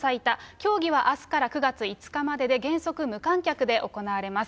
競技はあすから９月５日までで、原則、無観客で行われます。